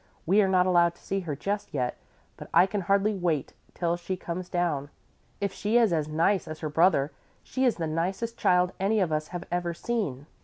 We are not allowed to see her just yet, but I can hardly wait till she comes down. If she is as nice as her brother, she is the nicest child any of us have ever seen."